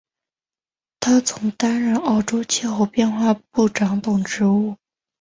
他曾经担任澳洲气候变化部长等职务。